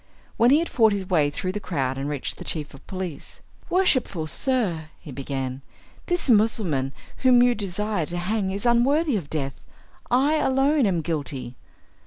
When he had fought his way through the crowd and reached the chief of police, "Worshipful sir," he began, "this Mussulman whom you desire to hang is unworthy of death; I alone am guilty.